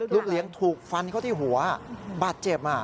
ลูกเลี้ยงถูกฟันเข้าที่หัวบาดเจ็บ